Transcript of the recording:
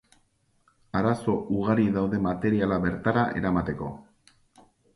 Arazo ugari daude materiala bertara eramateko.